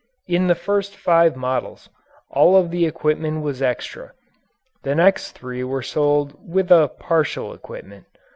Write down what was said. In the first five models all of the equipment was extra. The next three were sold with a partial equipment.